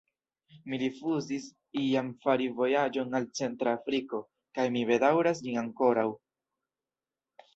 Mi rifuzis iam fari vojaĝon al Centra Afriko, kaj mi bedaŭras ĝin ankoraŭ.